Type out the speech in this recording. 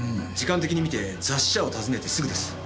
時間的にみて雑誌社を訪ねてすぐです。